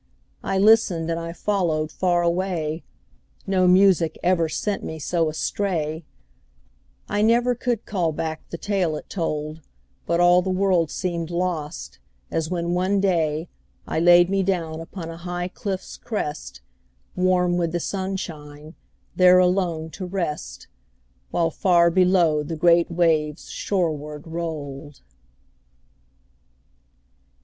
I listened, and I followed far away No music ever sent me so astray, I never could call back the tale it told, But all the world seemed lost, as when, one day, I laid me down upon a high cliff's crest, Warm with the sunshine, there alone to rest, While far below the great waves shoreward rolled.